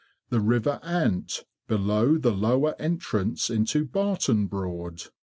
The River Ant, below the lower entrance into Barton Broad— 5.